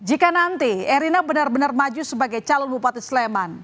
jika nanti erina benar benar maju sebagai calon bupati sleman